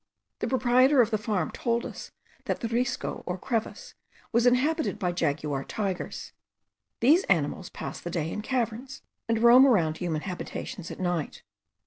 The proprietor of the farm told us that the Risco or crevice was inhabited by jaguar tigers. These animals pass the day in caverns, and roam around human habitations at night.